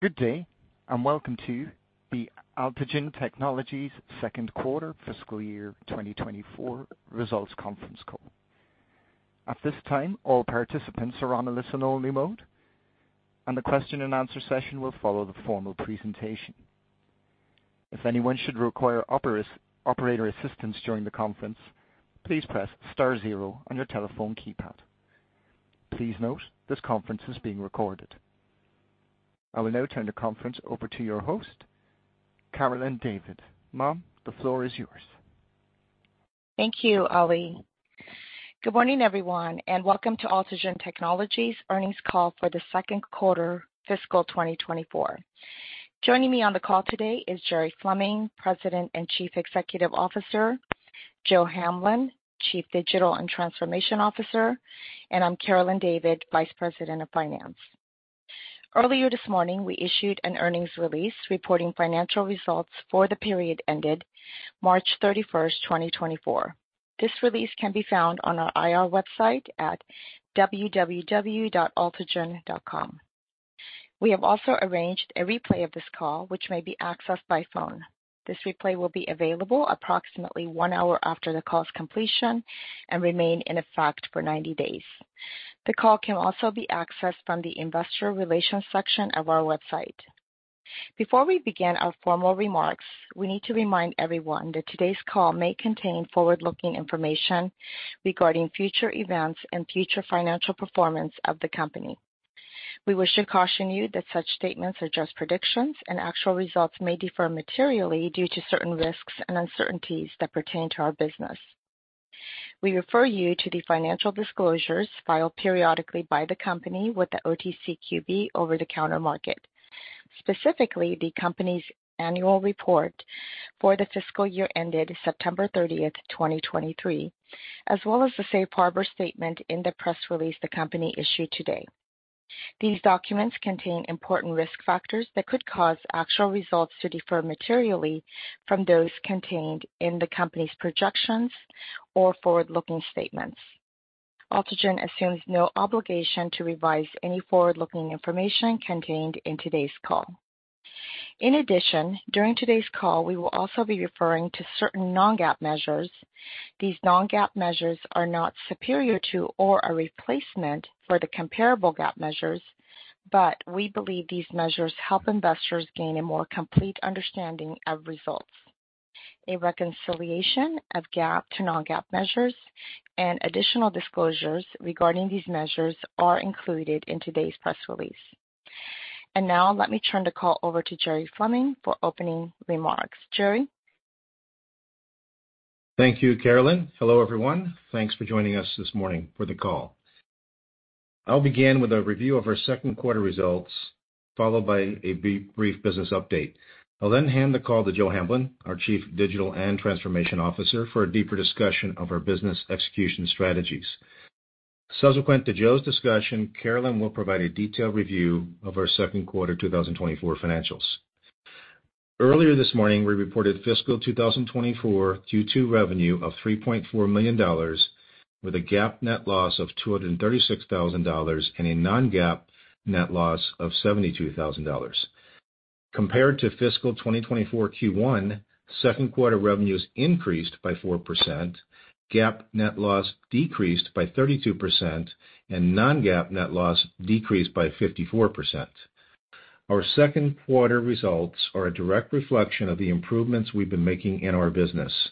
Good day, and welcome to the Altigen Technologies second quarter fiscal year 2024 results conference call. At this time, all participants are on a listen-only mode, and the question-and-answer session will follow the formal presentation. If anyone should require operator assistance during the conference, please press star zero on your telephone keypad. Please note, this conference is being recorded. I will now turn the conference over to your host, Carolyn David. Ma'am, the floor is yours. Thank you, Ali. Good morning, everyone, and welcome to Altigen Technologies' earnings call for the second quarter fiscal 2024. Joining me on the call today is Jerry Fleming, President and Chief Executive Officer, Joe Hamblin, Chief Digital and Transformation Officer, and I'm Carolyn David, Vice President of Finance. Earlier this morning, we issued an earnings release reporting financial results for the period ended March 31st, 2024. This release can be found on our IR website at www.altigen.com. We have also arranged a replay of this call, which may be accessed by phone. This replay will be available approximately one hour after the call's completion and remain in effect for 90 days. The call can also be accessed from the investor relations section of our website. Before we begin our formal remarks, we need to remind everyone that today's call may contain forward-looking information regarding future events and future financial performance of the company. We wish to caution you that such statements are just predictions, and actual results may differ materially due to certain risks and uncertainties that pertain to our business. We refer you to the financial disclosures filed periodically by the company with the OTCQB over-the-counter market, specifically the company's annual report for the fiscal year ended September 30, 2023, as well as the safe harbor statement in the press release the company issued today. These documents contain important risk factors that could cause actual results to differ materially from those contained in the company's projections or forward-looking statements. Altigen assumes no obligation to revise any forward-looking information contained in today's call. In addition, during today's call, we will also be referring to certain non-GAAP measures. These non-GAAP measures are not superior to or a replacement for the comparable GAAP measures, but we believe these measures help investors gain a more complete understanding of results. A reconciliation of GAAP to non-GAAP measures and additional disclosures regarding these measures are included in today's press release. Now, let me turn the call over to Jerry Fleming for opening remarks. Jerry? Thank you, Carolyn. Hello, everyone. Thanks for joining us this morning for the call. I'll begin with a review of our second quarter results, followed by a brief business update. I'll then hand the call to Joe Hamblin, our Chief Digital and Transformation Officer, for a deeper discussion of our business execution strategies. Subsequent to Joe's discussion, Carolyn will provide a detailed review of our second quarter 2024 financials. Earlier this morning, we reported fiscal 2024 Q2 revenue of $3.4 million, with a GAAP net loss of $236,000 and a non-GAAP net loss of $72,000. Compared to fiscal 2024 Q1, second quarter revenues increased by 4%, GAAP net loss decreased by 32%, and non-GAAP net loss decreased by 54%. Our second quarter results are a direct reflection of the improvements we've been making in our business.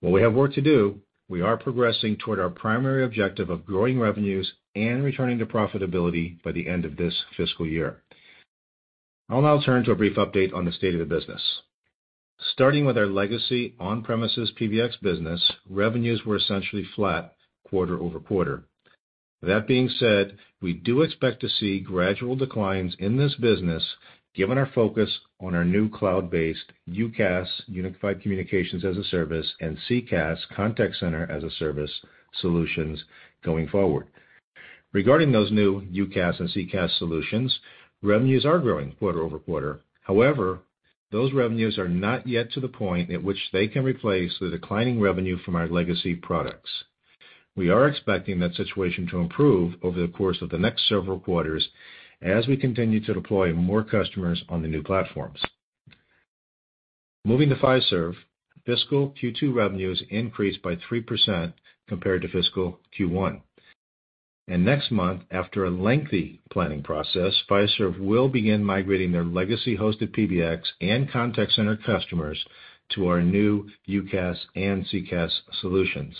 While we have work to do, we are progressing toward our primary objective of growing revenues and returning to profitability by the end of this fiscal year. I'll now turn to a brief update on the state of the business. Starting with our legacy on-premises PBX business, revenues were essentially flat quarter-over-quarter. That being said, we do expect to see gradual declines in this business, given our focus on our new cloud-based UCaaS, Unified Communications as a Service, and CCaaS, Contact Center as a Service, solutions going forward. Regarding those new UCaaS and CCaaS solutions, revenues are growing quarter-over-quarter. However, those revenues are not yet to the point at which they can replace the declining revenue from our legacy products. We are expecting that situation to improve over the course of the next several quarters as we continue to deploy more customers on the new platforms. Moving to Fiserv, fiscal Q2 revenues increased by 3% compared to fiscal Q1. Next month, after a lengthy planning process, Fiserv will begin migrating their legacy hosted PBX and contact center customers to our new UCaaS and CCaaS solutions.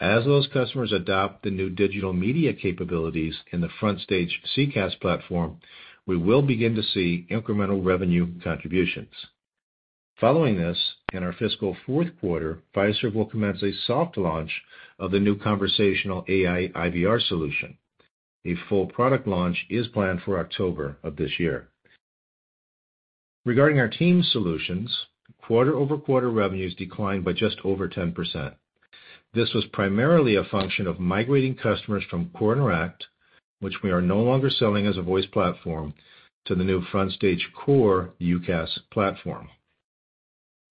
As those customers adopt the new digital media capabilities in the Frontstage CCaaS platform, we will begin to see incremental revenue contributions. Following this, in our fiscal fourth quarter, Fiserv will commence a soft launch of the new conversational AI IVR solution. A full product launch is planned for October of this year. Regarding our team solutions, quarter-over-quarter revenues declined by just over 10%. This was primarily a function of migrating customers from Core Interact, which we are no longer selling as a voice platform, to the new FrontStage Core UCaaS platform.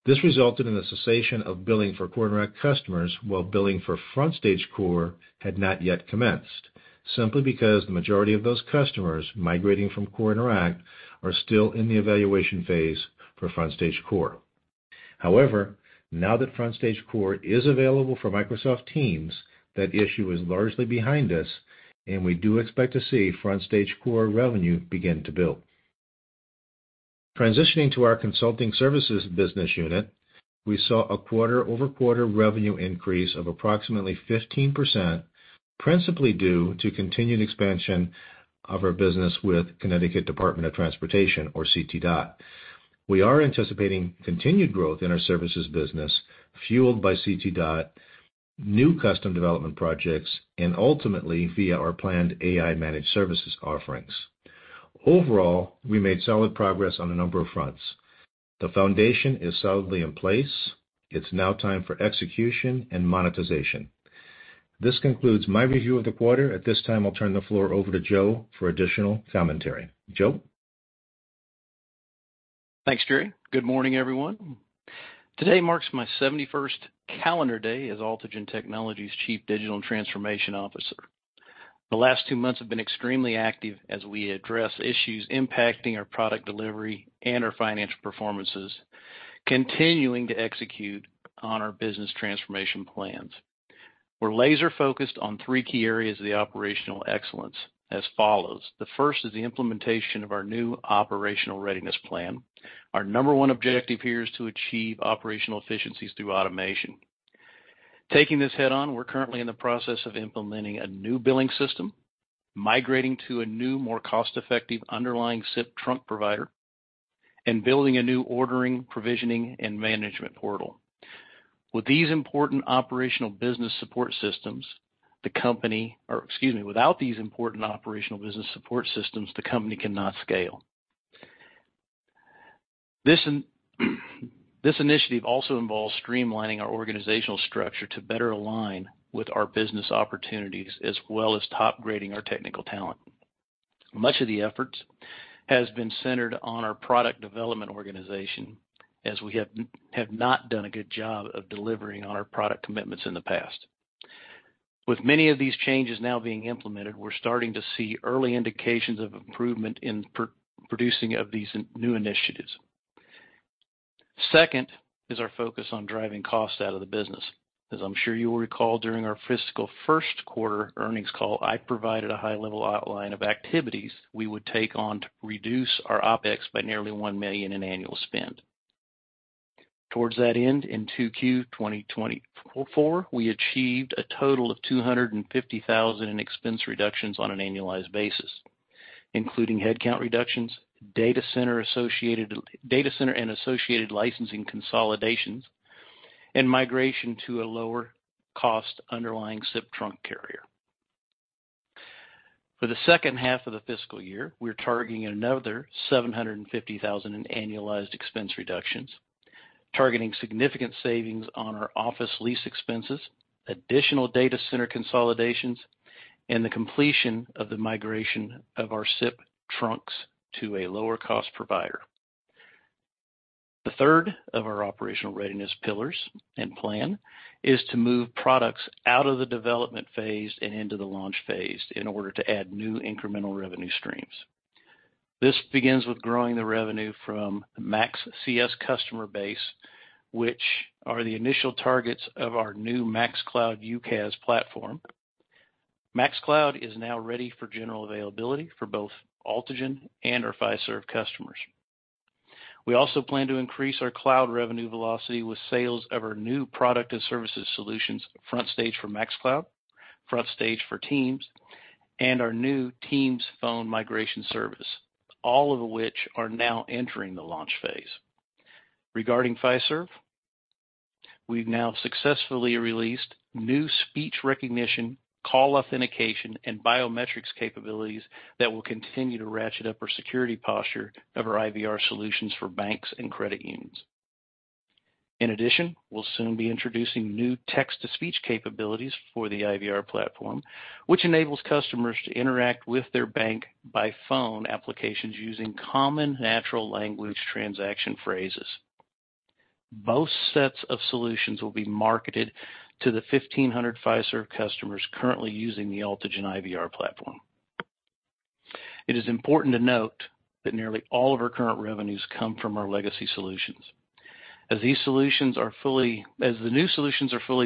This resulted in the cessation of billing for Core Interact customers, while billing for FrontStage Core had not yet commenced, simply because the majority of those customers migrating from CoreInteract are still in the evaluation phase for FrontStage Core. However, now that FrontStage Core is available for Microsoft Teams, that issue is largely behind us, and we do expect to see FrontStage Core revenue begin to build. Transitioning to our consulting services business unit, we saw a quarter-over-quarter revenue increase of approximately 15%, principally due to continued expansion of our business with Connecticut Department of Transportation, or CTDOT. We are anticipating continued growth in our services business, fueled by CTDOT, new custom development projects, and ultimately via our planned AI managed services offerings. Overall, we made solid progress on a number of fronts. The foundation is solidly in place. It's now time for execution and monetization. This concludes my review of the quarter. At this time, I'll turn the floor over to Joe for additional commentary. Joe? Thanks, Jerry. Good morning, everyone. Today marks my 71st calendar day as Altigen Technologies' Chief Digital and Transformation Officer. The last two months have been extremely active as we address issues impacting our product delivery and our financial performances, continuing to execute on our business transformation plans. We're laser-focused on three key areas of the operational excellence as follows. The first is the implementation of our new operational readiness plan. Our number one objective here is to achieve operational efficiencies through automation. Taking this head-on, we're currently in the process of implementing a new billing system, migrating to a new, more cost-effective underlying SIP trunk provider, and building a new ordering, provisioning, and management portal. With these important operational business support systems, the company... Or excuse me. Without these important operational business support systems, the company cannot scale. This initiative also involves streamlining our organizational structure to better align with our business opportunities, as well as top-grading our technical talent. Much of the efforts has been centered on our product development organization, as we have not done a good job of delivering on our product commitments in the past. With many of these changes now being implemented, we're starting to see early indications of improvement in producing of these new initiatives. Second, is our focus on driving costs out of the business. As I'm sure you will recall, during our fiscal first quarter earnings call, I provided a high-level outline of activities we would take on to reduce our OpEx by nearly $1 million in annual spend. Towards that end, in 2Q 2024, we achieved a total of $250,000 in expense reductions on an annualized basis, including headcount reductions, data center and associated licensing consolidations, and migration to a lower-cost underlying SIP trunk carrier. For the second half of the fiscal year, we're targeting another $750,000 in annualized expense reductions, targeting significant savings on our office lease expenses, additional data center consolidations, and the completion of the migration of our SIP trunks to a lower-cost provider. The third of our operational readiness pillars and plan is to move products out of the development phase and into the launch phase in order to add new incremental revenue streams. This begins with growing the revenue from the MaxCS customer base, which are the initial targets of our new MaxCloud UCaaS platform. MaxCloud is now ready for general availability for both Altigen and our Fiserv customers. We also plan to increase our cloud revenue velocity with sales of our new product and services solutions, FrontStage for MaxCloud, FrontStage for Teams, and our new Teams Phone migration service, all of which are now entering the launch phase. Regarding Fiserv, we've now successfully released new speech recognition, call authentication, and biometrics capabilities that will continue to ratchet up our security posture of our IVR solutions for banks and credit unions. In addition, we'll soon be introducing new text-to-speech capabilities for the IVR platform, which enables customers to interact with their bank by phone applications using common natural language transaction phrases. Both sets of solutions will be marketed to the 1,500 Fiserv customers currently using the Altigen IVR platform. It is important to note that nearly all of our current revenues come from our legacy solutions. As the new solutions are fully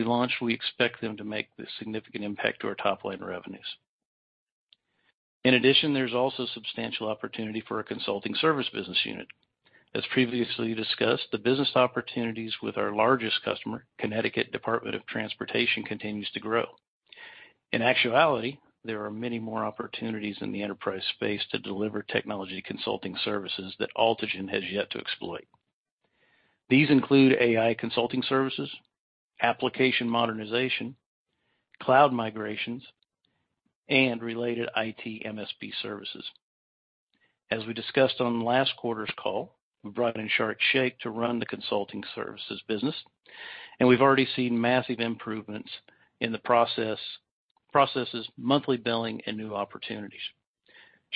launched, we expect them to make the significant impact to our top-line revenues. In addition, there's also substantial opportunity for our consulting service business unit. As previously discussed, the business opportunities with our largest customer, Connecticut Department of Transportation, continues to grow. In actuality, there are many more opportunities in the enterprise space to deliver technology consulting services that Altigen has yet to exploit. These include AI consulting services, application modernization, cloud migrations, and related IT MSP services. As we discussed on last quarter's call, we brought in Sharique Shaikh to run the consulting services business.... And we've already seen massive improvements in the process, processes, monthly billing, and new opportunities.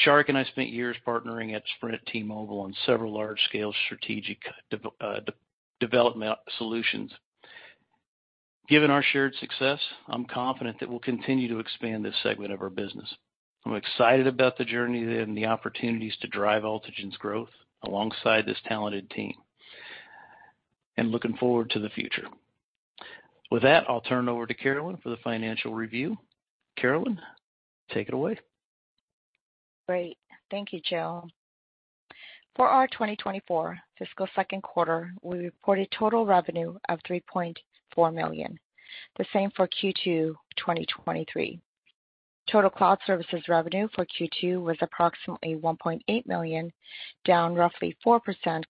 Sharique and I spent years partnering at Sprint T-Mobile on several large-scale strategic development solutions. Given our shared success, I'm confident that we'll continue to expand this segment of our business. I'm excited about the journey and the opportunities to drive Altigen's growth alongside this talented team, and looking forward to the future. With that, I'll turn it over to Carolyn for the financial review. Carolyn, take it away. Great, thank you, Joe. For our 2024 fiscal second quarter, we reported total revenue of $3.4 million, the same for Q2 2023. Total cloud services revenue for Q2 was approximately $1.8 million, down roughly 4%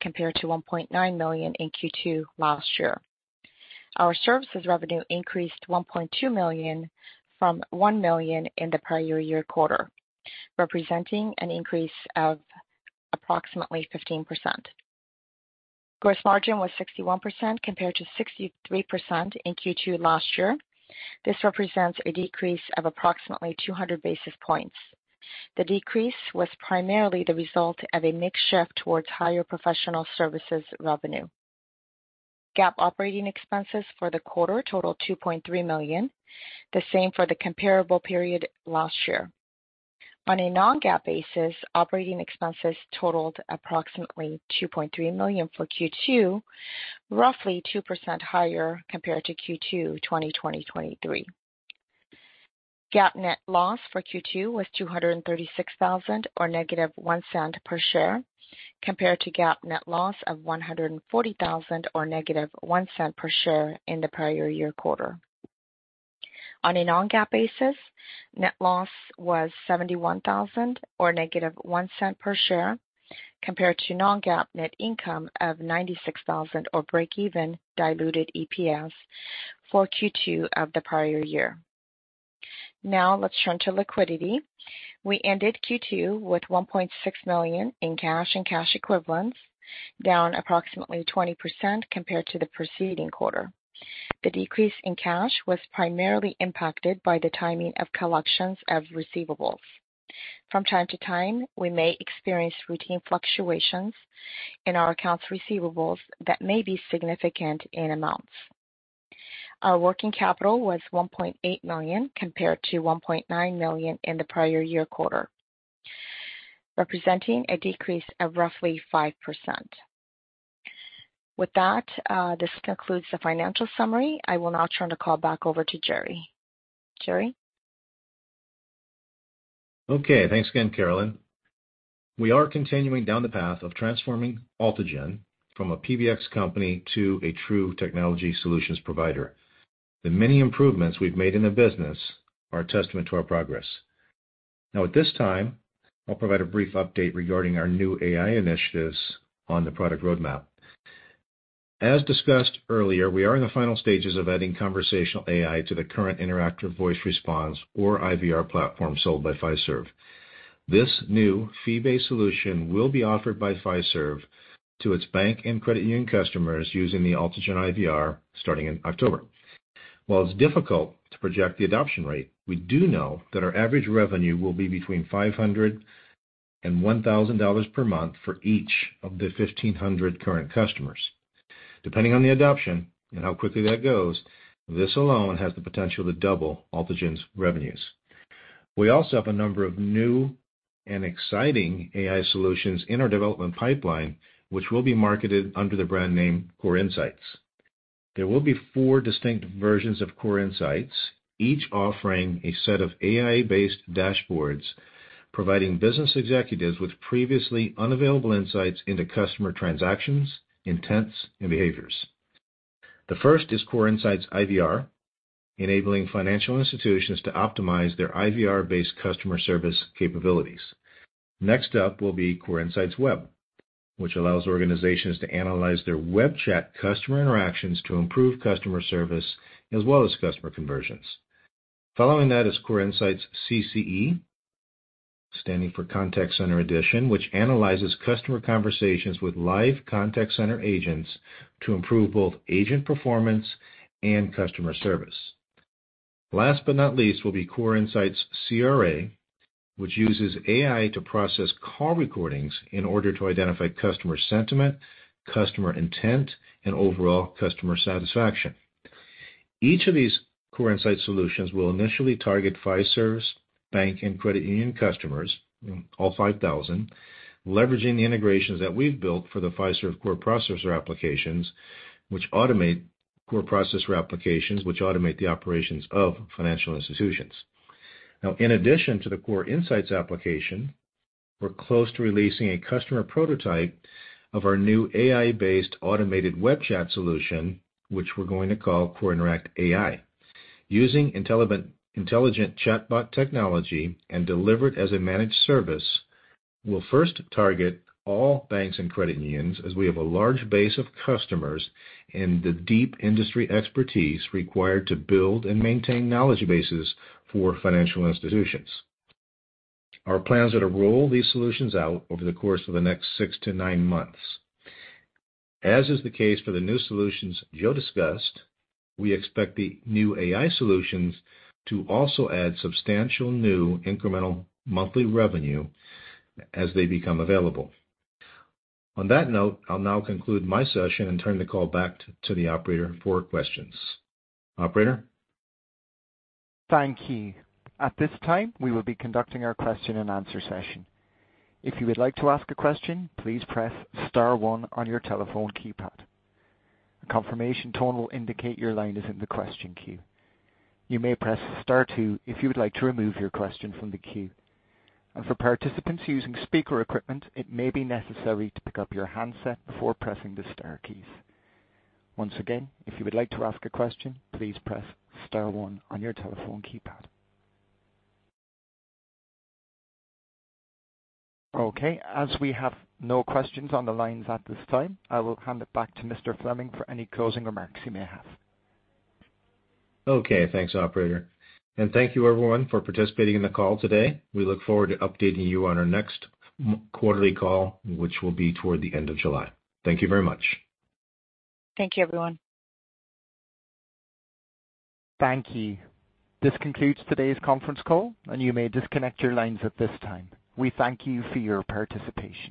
compared to $1.9 million in Q2 last year. Our services revenue increased $1.2 million from $1 million in the prior year quarter, representing an increase of approximately 15%. Gross margin was 61%, compared to 63% in Q2 last year. This represents a decrease of approximately 200 basis points. The decrease was primarily the result of a mix shift towards higher professional services revenue. GAAP operating expenses for the quarter totaled $2.3 million, the same for the comparable period last year. On a non-GAAP basis, operating expenses totaled approximately $2.3 million for Q2, roughly 2% higher compared to Q2 2023. GAAP net loss for Q2 was $236,000, or -$0.01 per share, compared to GAAP net loss of $140,000, or -$0.01 per share in the prior year quarter. On a non-GAAP basis, net loss was $71,000 or -$0.01 per share, compared to non-GAAP net income of $96,000 or break-even diluted EPS for Q2 of the prior year. Now let's turn to liquidity. We ended Q2 with $1.6 million in cash and cash equivalents, down approximately 20% compared to the preceding quarter. The decrease in cash was primarily impacted by the timing of collections of receivables. From time to time, we may experience routine fluctuations in our accounts receivables that may be significant in amounts. Our working capital was $1.8 million, compared to $1.9 million in the prior year quarter, representing a decrease of roughly 5%. With that, this concludes the financial summary. I will now turn the call back over to Jerry. Jerry? Okay, thanks again, Carolyn. We are continuing down the path of transforming Altigen from a PBX company to a true technology solutions provider. The many improvements we've made in the business are a testament to our progress. Now, at this time, I'll provide a brief update regarding our new AI initiatives on the product roadmap. As discussed earlier, we are in the final stages of adding conversational AI to the current interactive voice response or IVR platform sold by Fiserv. This new fee-based solution will be offered by Fiserv to its bank and credit union customers using the Altigen IVR starting in October. While it's difficult to project the adoption rate, we do know that our average revenue will be between $500 and $1,000 per month for each of the 1,500 current customers. Depending on the adoption and how quickly that goes, this alone has the potential to double Altigen's revenues. We also have a number of new and exciting AI solutions in our development pipeline, which will be marketed under the brand name CoreInsights. There will be four distinct versions of CoreInsights, each offering a set of AI-based dashboards, providing business executives with previously unavailable insights into customer transactions, intents, and behaviors. The first is CoreInsights IVR, enabling financial institutions to optimize their IVR-based customer service capabilities. Next up will be CoreInsights Web, which allows organizations to analyze their web chat customer interactions to improve customer service as well as customer conversions. Following that is CoreInsights CCE, standing for Contact Center Edition, which analyzes customer conversations with live contact center agents to improve both agent performance and customer service. Last but not least, will be CoreInsights CRA, which uses AI to process call recordings in order to identify customer sentiment, customer intent, and overall customer satisfaction. Each of these Core Insights solutions will initially target Fiserv's bank and credit union customers, all 5,000, leveraging the integrations that we've built for the Fiserv core processor applications, which automate the operations of financial institutions. Now, in addition to the Core Insights application, we're close to releasing a customer prototype of our new AI-based automated web chat solution, which we're going to call CoreInteract AI. Using intelligent chatbot technology and delivered as a managed service, we'll first target all banks and credit unions, as we have a large base of customers and the deep industry expertise required to build and maintain knowledge bases for financial institutions. Our plan is to roll these solutions out over the course of the next six to ninemonths. As is the case for the new solutions Joe discussed, we expect the new AI solutions to also add substantial new incremental monthly revenue as they become available. On that note, I'll now conclude my session and turn the call back to the operator for questions. Operator? Thank you. At this time, we will be conducting our question-and-answer session. If you would like to ask a question, please press Star one on your telephone keypad. A confirmation tone will indicate your line is in the question queue. You may press Star two if you would like to remove your question from the queue. And for participants using speaker equipment, it may be necessary to pick up your handset before pressing the star keys. Once again, if you would like to ask a question, please press Star one on your telephone keypad. Okay, as we have no questions on the lines at this time, I will hand it back to Mr. Fleming for any closing remarks he may have. Okay, thanks, operator, and thank you, everyone, for participating in the call today. We look forward to updating you on our next quarterly call, which will be toward the end of July. Thank you very much. Thank you, everyone. Thank you. This concludes today's conference call, and you may disconnect your lines at this time. We thank you for your participation.